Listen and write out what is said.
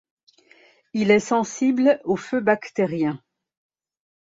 Il est sensible au feu bactérien.